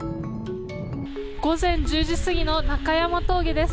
午前１０時過ぎの中山峠です。